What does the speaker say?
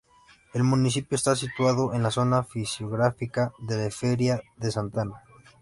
El municipio está situado en la Zona Fisiográfica de Feria de Santana.